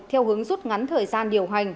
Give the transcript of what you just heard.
theo hướng rút ngắn thời gian điều hành